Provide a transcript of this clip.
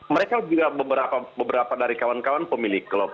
mereka juga beberapa dari kawan kawan pemilik klub